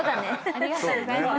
ありがとうございます。